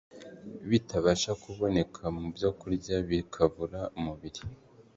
bitabasha kuboneka mu byokurya bikabura umubiri.